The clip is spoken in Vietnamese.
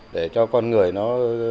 để cho con người nó